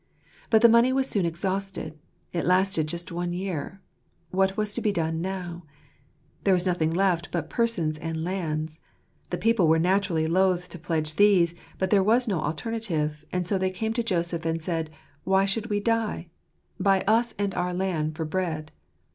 But the money was soon exhausted: it lasted just one year. What was to be done now ? There was nothing left but persons and lands ; the people were naturally loth to pledge these, but there was no alternative ; and so they came to. Joseph, and said, " Why should we die ? Buy us and our land for bread."